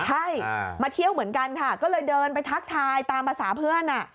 ใช่มาเที่ยวเหมือนกันค่ะก็เลยเดินไปทักทายตามภาษาเพื่อน